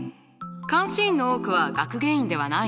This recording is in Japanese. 監視員の多くは学芸員ではないの。